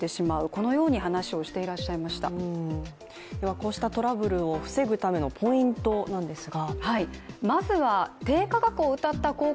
こうしたトラブルを防ぐためのポイントですが？